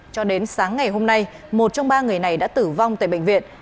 cho đến sáng ngày hôm nay một trong ba người này đã tử vong tại bệnh viện